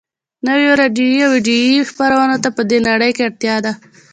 نویو راډیویي او ويډیویي خپرونو ته په دې نړۍ کې اړتیا ده